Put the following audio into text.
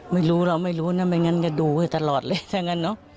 ไม่รู้เราไม่รู้นะไม่งั้นจะดูไว้ตลอดเลยถ้างั้นเนอะ